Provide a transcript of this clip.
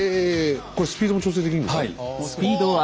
これスピードも調整できるんですか？